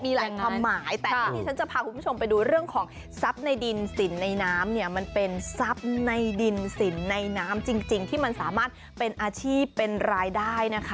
มีหลายธรรมหรอกครับแต่วันนี้ที่นี้ผมจะพาคุณผู้ชมไปดูเรื่องของ